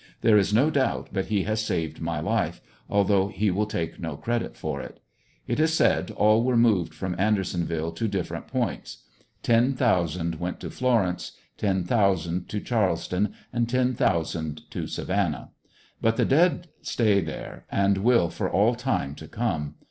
There is no doubt but he has saved my life, although he will take no credit for it. It is said all were moved from Ander sonville to different points; ten thousand went to Florence, ten thousand to Charleston and ten thousand to Savannah; but the dead stay there and will for all time to come.